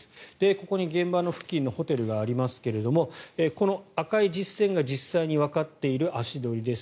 ここに現場の付近のホテルがありますがこの赤い実線が実際にわかっている足取りです。